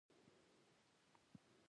د اقلیت نظر اوریدل کیږي؟